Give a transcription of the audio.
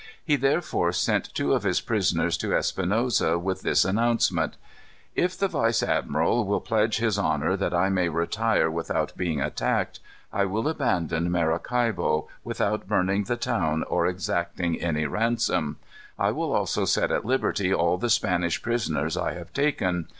He therefore sent two of his prisoners to Espinosa, with this announcement: "If the vice admiral will pledge his honor that I may retire without being attacked, I will abandon Maracaibo, without burning the town or exacting any ransom. I will also set at liberty all the Spanish prisoners I have taken.